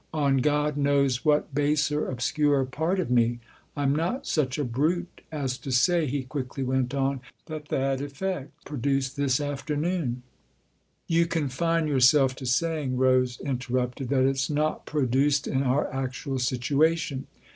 " On God knows what baser, obscurer part of me ! I'm not such a brute as to say," he quickly went on, " that that effect was not produced this afternoon "" You confine yourself to saying," Rose inter rupted, " that it's not produced in our actual situa tion."